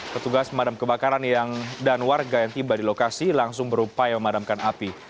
petugas pemadam kebakaran dan warga yang tiba di lokasi langsung berupaya memadamkan api